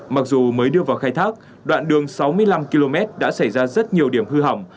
mặc dù mới đưa vào khai thác đoạn đường sáu mươi năm km đã xảy ra rất nhiều điểm hư hỏng